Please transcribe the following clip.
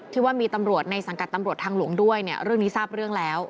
ว่ามีตำรวจในสังกัดตำรวจทางหลวงด้วยเนี่ยเรื่องนี้ทราบเรื่องแล้ว